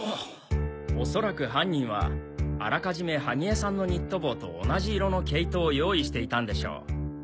恐らく犯人はあらかじめ萩江さんのニット帽と同じ色の毛糸を用意していたんでしょう。